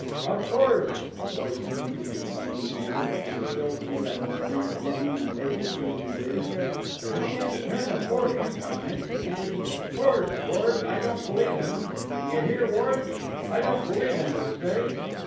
"Of course," a voice seemed to be complaining anew, and still through that confused dinning in Abel Keeling's ears, "_we can't turn a four inch on it.... And, of course, Ward, I don't believe in 'em. D'you hear, Ward? I don't believe in 'em, I say....